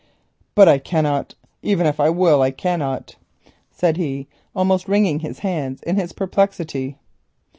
"But I cannot; even if I will, I cannot," said he, almost wringing his hands in his perplexity.